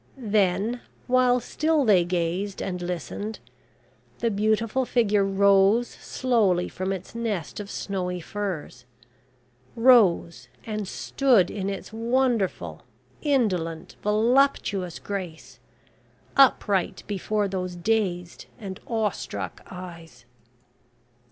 Then, while still they gazed and listened, the beautiful figure rose slowly from its nest of snowy furs; rose and stood in its wonderful, indolent, voluptuous grace, upright before those dazed and awe struck eyes.